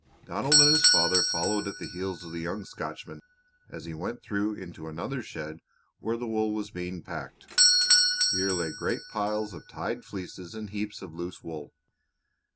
Donald and his father followed at the heels of the young Scotchman as he went through into another shed where the wool was being packed. Here lay great piles of tied fleeces and heaps of loose wool.